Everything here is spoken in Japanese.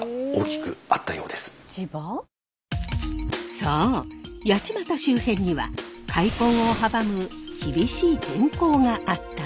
そう八街周辺には開墾を阻む厳しい天候があったんです。